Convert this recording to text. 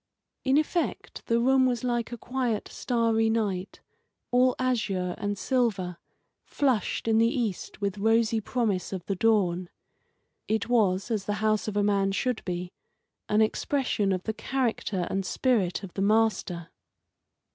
In effect the room was like a quiet, starry night, all azure and silver, flushed in the cast with rosy promise of the dawn. It was, as the house of a man should be, an expression of the character and spirit of the master.